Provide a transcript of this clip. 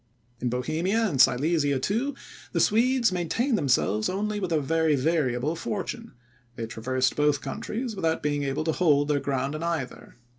In Bohemia and Silesia too, the Swedes maintained themselves only with a very variable fortune; they traversed both countries, without being able to hold their ground in either.